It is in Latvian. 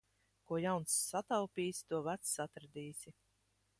Ko jauns sataupīsi, to vecs atradīsi.